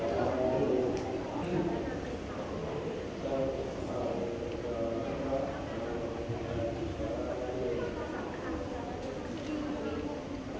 สวัสดีครับสวัสดีครับ